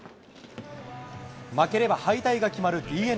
負ければ敗退が決まるＤｅＮＡ。